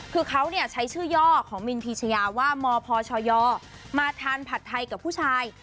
คือเขาใช้ชื่อย่อของมินพีชยาว่ามพชยมาทานผัดไทยกับผู้ชาย